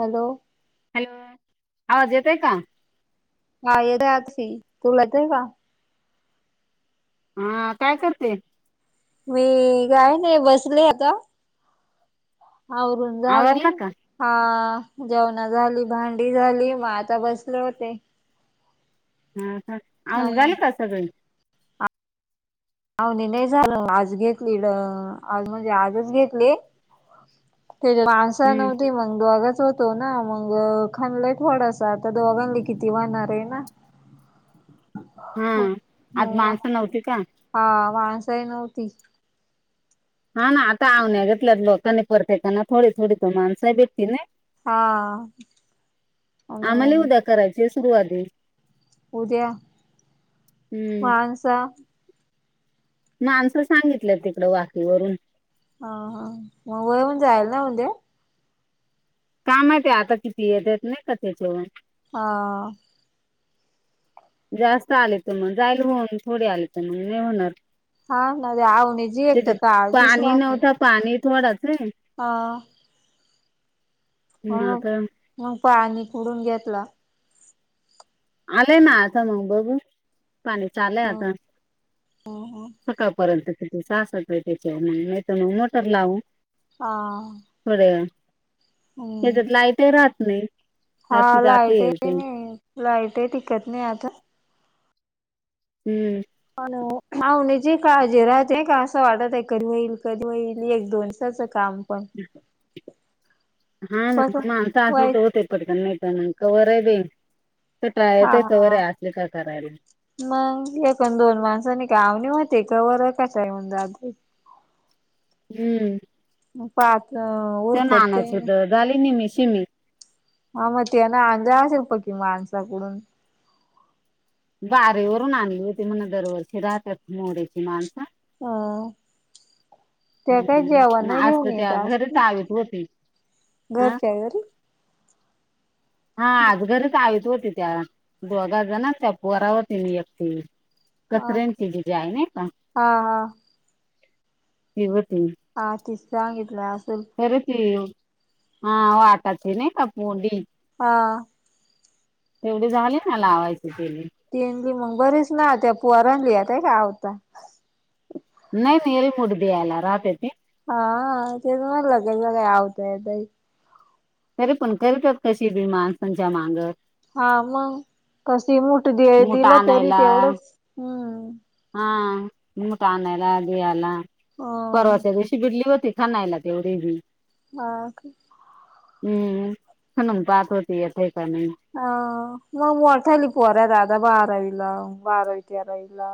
Hello hello आवाज येतोय का? हा येतोय [unintelligible] तुला [unintelligible] का? हा काय करते? मी काय नाय बसली आता आवरून झालं आवरला का हा जेवणं झाली भांडी झाली म आता बसले होते हा का हा. अवनी झाली का सगळी? अवनी नाही झालं आज घेतली [unintelligible] आज म्हणजे आजच घेतली त्याची माणसं हम्म नव्हती मग दोघंच होत तो ना मग खणलय थोडासा आता दोघांनी किती व्हणार आहे ना हम आज हो माणसं नव्हती का? हा माणसंही नव्हती हा ना आत्ता [unintelligible] [unintelligible] होतो ना परत येताना थोडी थोडी त माणसं भेटती नही हा अ आमालाही उद्या करायची आहे सुरुवा [unintelligible] उद्या हम्म माणसा माणसं सांगितले तिकडे वाकी वरून हा हा मग वळवून जाईल ना उद्या का माहिती आता किती येत्यात नाय का त्याच्यावर हा जास्त आले तर मग जाईल होऊन थोडे आले तर मग नाही होणार हा ना [unintelligible] जी एक तर तिथे काळजीच पाणी राहती नव्हतं पाणी थोडसं हे हा हम्म, मग आता मग पाणी कुडून घेतला आले ना आत्ता मग बघू पाणी चालय आता सकाळपर्यंत त्याची [unintelligible] नाहीतर मग मोटर लावू हा थोड्या वेळा हम्म त्याच्यात लाईटही राहत नाही सारखी जाते येते लाईटही टिकत नई आता हम अन अवनीचीही काळजी राहती नाही का असं वाटत आहे कधी होईल कधी होईल एक दोनसाच काम पण हा हा बघ म्हणता वाईट आपले [unintelligible] पटकन नाही तर मग कवरइ देईल कटाळा हा येतोय तवर हा हे [unintelligible] करायला मग एक अन् दोन माणसांनी काय अवनी होते कवर [unintelligible] येऊन जातो हम्म पाहा आपलं त्या ऊरकतई नानाची नाही तर झाली निमी शिम्मी हा मग ते ना अंजा असेल पण ती माणसाकडून बारीवरून आणली होती म्हण दरवर्षी राहत्यात मोडीची माणसं हा त्या काय जेवाण हम्म आज तर घेऊन येत त्या घरीच असते आवीत होती हा घरच्या घरी हा आज घरच आयत होती त्या- दोघाजणांच्या पोरा होती मी एकटी अ कचऱ्यांची जिजाई नाई का?, हा हा ती होती. आ तिस सांगितलं आसल. खरतेयो आ वाटाची नाहीका पूडी? आ एवढी झालीत ना लावायची तेले. तेनली मंग बरेच ना त्या पोराणला येताहावता. नाइ नाइ रेमुरड्याला राहाता ते. आ तेच म्हणलं कसकाय आवतायतय? तरीपण करतात कशी बी मानसांच्या माग- हा मंग, कशी मूठ दिया मूठ दिला तरी आणायला तेवढंच- हम्म- हा मूठ आणायला दियाला अ परवाच्या दिवशी बिडली होती. खनायला तेवढेबी- हा-का? हम्म खणून पाहात होती येतेयका नाही. ह- मग मोठाली पोरा आता बारावीला बारावी तेरावीला.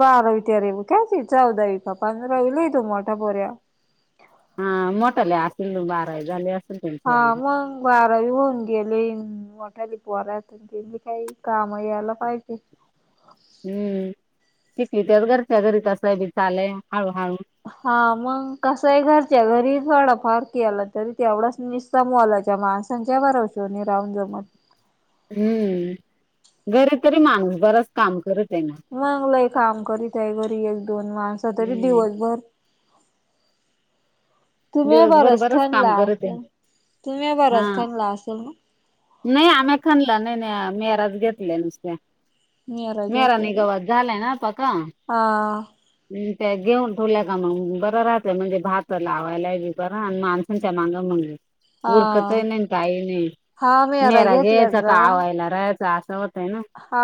बारावी तेरावी कयाची, चौदावि का पंधरावीलाये तो मोठा पोऱ्या. हा मोठाले असतील मंग बारावि झाले अस हा मंग. बारावी होऊन गेलीन, मोठाली पोरा असतात तेला काही काम यायला पाहिजे. हम्म शिकवीत्यात घरच्या घरी तसं बी चालाया हळू हळू. हा मंग कसाय घरच्या घरी थोडा फार केला तरी ते एवढाच निस- त्या मोलाच्या माणसांच्या भरोशावर नई राहून जमत. हम्म, घरी तरी माणूस बराच काम करतय ना? मंग लय काम करीतय घरी एक दोन माणस तरी हम्म दिवसभर- तुम्या दिवसभर बरच खनला काम करत आहे असेल, तुम्या बरच खनल असेल ना? नही आम्या खनल् नाही नाही, मेहराज घेतल्या नुसत्या. मिरा मेरा घेतल्या का निगवत झालाय ना पका- हा अम त्या घेऊन ठूल्या का मग बरं राहतंय म्हणजे भाताला लावला [unintelligible] बी बरा आन माणसांच्या मांग मग उरकतय हा नाईन काही नाही हा मिरा मेरा घेतल्या घ्यायचा का आवायला राहायचा असं होत. होत ना [unintelligible] हा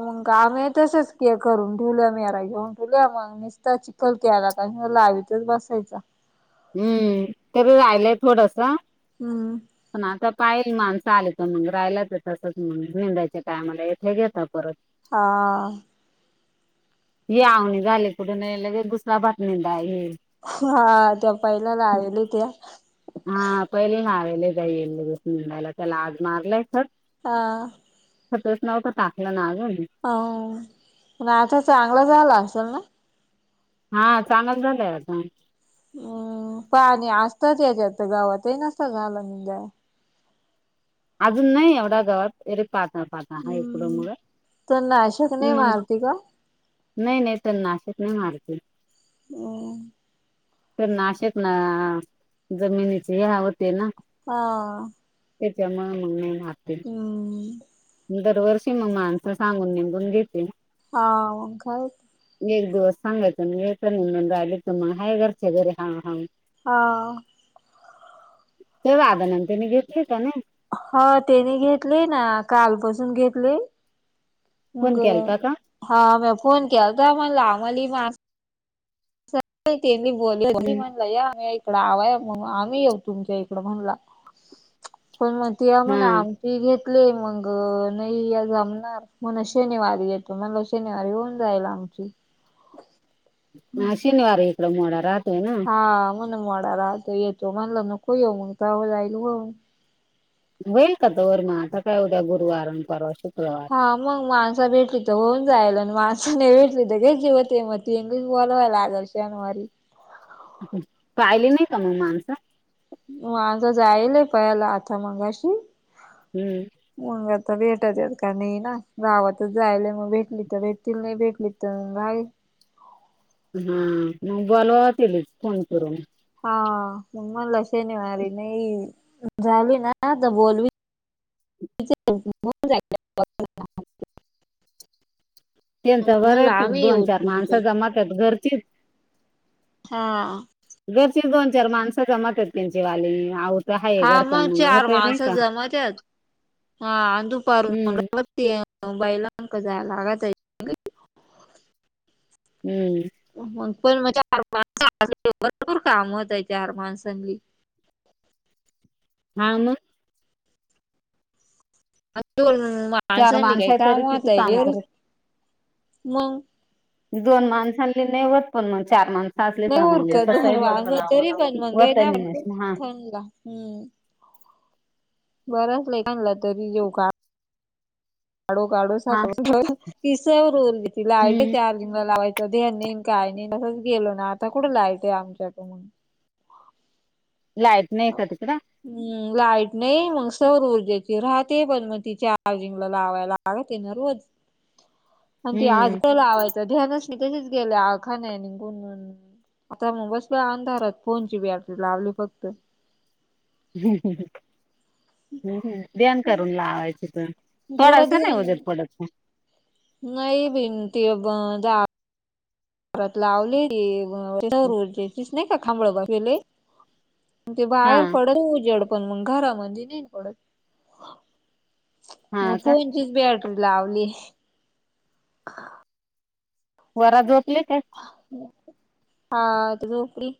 मंग आम्याय तसच के करून ठेवल्या मेरा घेऊन ठूल्या मग निस्ता चिखल केला काय ह्यो लावीतच बसायचा. हम्म तरी राहिलंय थोडासा. हम् पण आता पाहिल माणसं आले तर मंग, राहियलच त तसच मंग निेंदाच्या टायमाला येतंय घेता परत. अ या आवणी झाले कुठ नाही लगे दुसरा बातमी दाहे [unintelligible] हा-त्या पहिल्याला आली त्या. हा पहिले मारले त्या येईल दसडायला [unintelligible] त्याला आज मारलंय तर- आ खतच नवत टाकलं ना अजून हाओ, पण आता चांगला झाला असल ना? हा [unintelligible] झालंय आता हा पहा आणि असतच याच्यात गावातही नसत झालं [unintelligible] अजून नाही एवढा गावात [unintelligible] [unintelligible] आता आहे कुढ हम्म मूढ तर नाशक नाही मग मारती का नाही नाही तर नाशिक नाही मारती [inaudible] तर नाशिकना जमिनीचे ह्या होती ना हा त्याच्यामुळे मग नही मारती हम दरवर्षी मग माणसं सांगून निंदून घेती ना हा काय ओ? एक दिवस सांगायचं अन् यायचं नाही निंदायले तर मग आहे घरचे घरी हा हांग हा तेव्हा [unintelligible] मी दिसली की नाही? ह तेनी घेतली ना कालपासून घेतली मग फोन केलता का हा मग फोन केलता म्हणलं मग [unintelligible] तिनी बोललं [inaudible] म्हणलं या [unintelligible] इकड आवाया म्हणून आम्ही येऊ तुमच्या इकड म्हणला पण मग तिला म्हणे आम ती घेतली मग नही य जमणार म्हण शनिवारी येतो म्हणलं श शनिवारी होऊन जाईल आमची हा शनिवार इकडं मोडा राहतोय ना हा म्हणे मोडा राहतो येतो म्हणलं नको येऊ मग जाओ जाईल होऊन होईल का तवर मग आता काय उद्या गुरुवार आणि परवा शुक्रवार हा मग माणसं भेटली तर होऊन जाईन अन् माणसं नाही भेटली तर घे की मग ते तीन दिस बोलवाय लागल शनवारी पाहिली नाही का मग माणसं? माझा जायेल आहे आता मघाशी हम्म मग आता भेटत्यात का नाही ना गावातच जायेल आहे मग भेटली तर भेटतील नाही भेटली तर त आहे हा मग बोलावावा तिलेच फोन करून हा मग म्हणलं शनिवारी नाही झाली ना तर बोलाविल [inaudible] तिची [inaudible] होवून जाईल ते म्हणता म्हणलं बरं [unintelligible] आम्ही दोन येऊ चार माणसं तुमच्यात जमत्यात घरचीच हा घरचीच दोन चार माणसं जमत्यात त्यांची वाली औत हा मग चार माणसं जमत्यात हा अन् दुपारहून हम्म मग [inaudible] त्या बाईला [inaudible] जायला लागतंय हम्म पण मग चार [inaudible] माणसांनी भरपूर काम होतय चार माणसांनी हा मग आता दोन चार माणसांनी माणसं काही आहे काम तरी किती होताय काम का करत [inaudible] मग दोन माणसांनी नाही होत पण मग चार माणस नाही उरकत दोन [unintelligible] तरी पण मग वतनी मशीन हा [inaudible] हम बराच लय आनला [unintelligible] का काडोकाडून हा [unintelligible] हम्म त्यांला लावायचं ध्यान नाही, न काय नाही, तसच गेलो ना, आता कुठे लावायचय आमच्याकडून? लाईट, नायका तिकडं? हम्, लाईट नाही मग सौर ऊर्जेची राहते, पण म ती चार्जिंगला लावायला लावते ना रोज? आणि ती हम्म आजकाल आवायचं ध्यानच नाही तशीच गेले अखान आणि निघून आत्ता म, बसलोय अंधारात, फोनची बॅटरी लावली फक्त हम्म, हम्म, हम्म, हम्म, ध्यान करून लावायची त कुड थोडासा नाय ध्यान आहे उजेड पडत म नाही भिंती ब जा परत लावलेले [unintelligible] तेच नाही का खांबळ बाजलेले ते हा बाहेर पडतो उजेड, पण मग घरामध्ये नाही पडत. म हा का फोनचीच बॅटरी लावली पोरा झोपले काय? हा, ते झोपले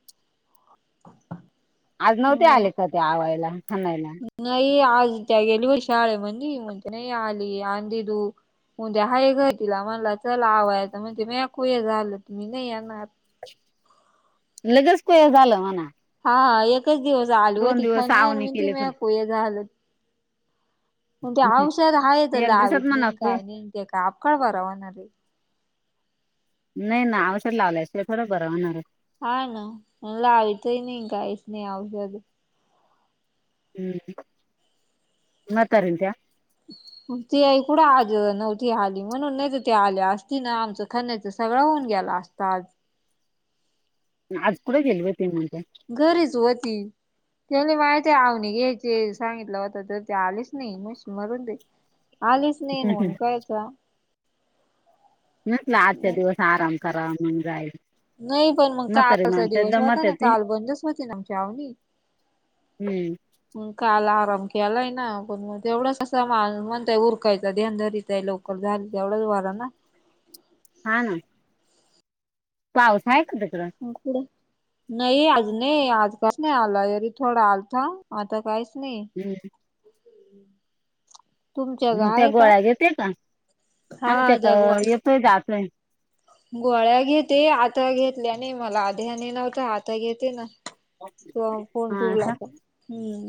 आज नव्हते आले का, ते आवायला, खनायला? नाही आज त्या गेल्यावर्षी आल्या म्हनली, मग त्या नाय आली, आंदी तू उद्या हाय घरी, तिला म्हणलं चल आवाय, त म्हणते [unintelligible] झालं की मी नाही येणार लगेच कोय झालं म्हणा हा एकच दिवस आली दोन होति दिवस आवणी केले [unintelligible] झालं मग ते औषध हाय त एक दिवसात लावीत म्हणा लीन काय लीन ते काय आपकाय बरा होणारये नाय ना, औषध लावल्याशिवाय, थोडाच बरा होणार हाय? हा, ना, म लावीतई नाय, कायीचं नाही, औषध हूं, म्हातारीन त्या [inaudible] तुमची आई, कुठं आज नव्हती आली, म्हणून नाय ती, आली असती ना, आमचं खनायचच सगळं होऊन गेलं असतं आज. आज कुठं गेली होती म्हणते? घरीच व्हती त्याले माहिते आवनी घ्यायचे, सांगितलं होत, त ते आलेच नाही, मूस मरून दे. आलीच नाही न, मग कायचा? म्हटलं आजच्या दिवस आराम कराव, मग जाईल नाही पण मग म्हातारी कालचा माणसं दिवस दमत होता ना, येते काल बंदच होती ना आमची आवनी. हम्म मग काल आराम केलाय ना, पण तेवढच कसं म्हणतंय उरकायच धनधरीतय लोक मग झालं तेवढाच वारा ना? हा, न पाऊस, हाय का तिकडं? मग कुठ? नई, आज नाई, आज कसं नाय आला, यरी थोडा आलता, आता काहीच नाही. हम् [inaudible] ग हुम्म त्या आहे का गोळ्या घेते का, हा आमच्याक त्या गोळ्या येतोय डाकन? गोळ्या घेते, आता घेतल्या नाही, मला आत हयाने नव्हता, आता घेते ना तुव्हा फोन ठिवला की हम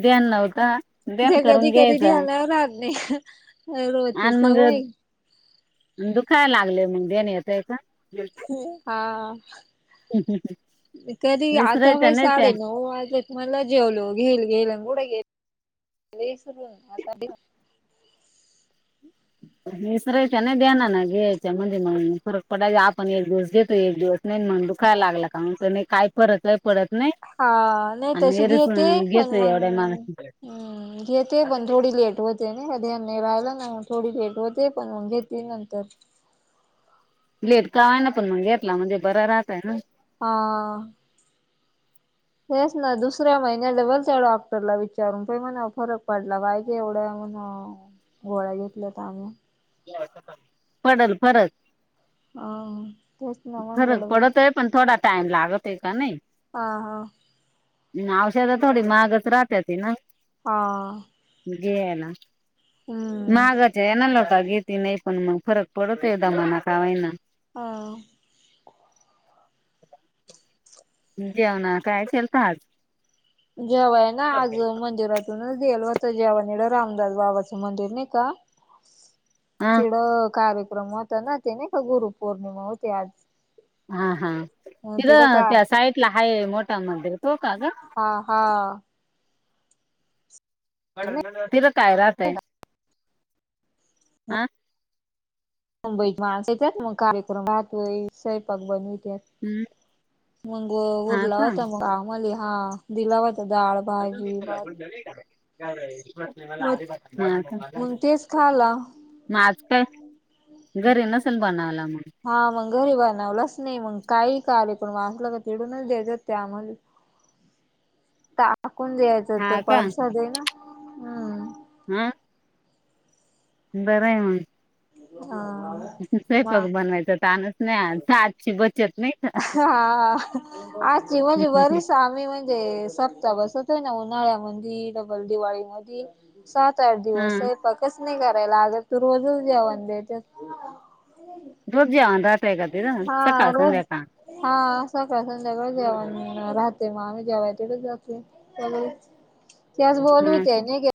ध्यान नव्हता देण करून कधी कधी घ्यायचा ध्यानही राहत नाही रोजची सवय दुखाय लागले मग ध्यान येतय का? हा कधी आता विसरायच्या बाई नाही त्या साडे नऊ वाजलेत मला जेवलो व घेईल घेईल अन् कुठं गेली? गेली इसरून आता [inaudible] विसऱ्याच्या नई देणार ना घ्यायच्या म्हणजे मग फरक पडा आपण एक दिवस घेतो एक दिवस नई ना मग दुखाय लागला का म्हनतो नाही काय फरक ही पडत नई हा नाही तशी घेते पण एवढ्या माणस मग घेते पण थोडी लेट हो ते नाही का ध्यान नाही राहिला ना मग थोडी लेट होते पण मग घेते नंतर लेट का [unintelligible] पण मग घेतला म्हणजे बरं राहतय ना हां हेच ना दुसऱ्या महिन्याला डबल त्या डॉक्टरला विचारून पाय म्हणाव फरक पडला पाह्य एवढं म्हणाव गोळ्या घेतल्यात आम्ही [unintelligible] पडल फरक अं फरक पडतोय पण थोडा टाइम लागतोय का नई हा हा अन् औषध थोडी महागच राहत्या तीना हा घे ना हम्म महागाचे [unintelligible] का घेती नाही पण मग फरक पडतोया दमान का व्हइना हा जेवणा काय केलंत आज? जेवाया ना आज मंदिरात तिथूनच देल व्हतं जेवन इडं रामदास बाबाच मंदिर नई का हा तिड कार्यक्रम होता ना ते नाही का गुरु पौर्णिमा होती आज हा हा तिड तिथं का त्या साईटला हाये मोटा मंदिर तो का ग? हा हा तिध काय राहतय? आ मुंबईची माणसं येतात मग कार्यक्रम राहतोय सयपाक बनवित्यात मग हा उरला का होता मग आम्हाली हा दिला होता दाळ अजून बी तिला म्हटलं नाही का [unintelligible] [unintelligible] मग हा का मग तेच खाला मग आज काय? घरी नसल बनवला मग हा मग घरी बनवलाच नाही मग काही कार्यक्रम आसला का तिडूनच देतेत त्या आम्हाले हं टाकून द्याय हा का ह बरंय मग हा सयपाक बनवायचा तानच नाही आज [unintelligible] ची बचत नाही का? हा आजची म्हणजे बरीच आम्ही म्हणजे ते सप्त्या बसतोय ना उन्हाळ्यामधी डबल दिवाळी मधी सात आठ दिवस हा सयपाकच नाही कराय लागत रोजच जेवन देत्यात रोजजे अंधार. हा रोज हा संध्याकाळी जेवन राहते मग आम्ही जेवाय तिथं जातो. त्याच बोलू हा ते नाही गे [unintelligible]